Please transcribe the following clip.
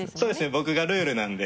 僕がルールなんで。